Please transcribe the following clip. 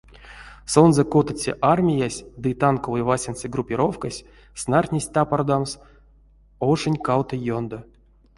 Сонзэ котоце армиясь ды танковой васенце группировкась снартнесть тапардамс ошонть кавто ёндо.